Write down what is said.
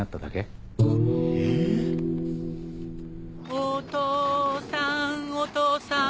お父さんお父さん